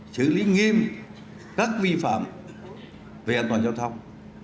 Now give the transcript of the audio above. xử lý nghiêm các vi phạm về an toàn giao thông